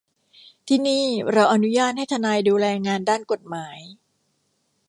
ที่นี่เราอนุญาตให้ทนายดูแลงานด้านกฎหมาย